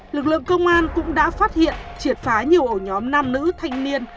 lực lượng công an cũng đã phát hiện triệt phá nhiều ổ nhóm nam nữ thanh niên